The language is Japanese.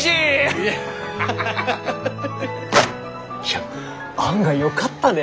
いや案外よかったね。